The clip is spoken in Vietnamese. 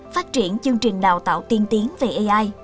phát triển chương trình đào tạo tiên tiến về ai